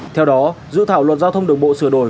theo đó dự thảo luật giao thông đường bộ sửa đổi